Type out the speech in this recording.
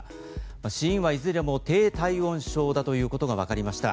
死因はいずれも低体温症だということがわかりました。